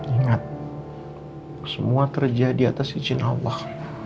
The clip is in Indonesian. ingat semua terjadi atas izin allah